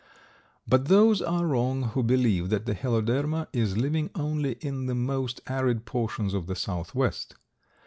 But those are wrong who believe that the Heloderma is living only in the most arid portions of the southwest.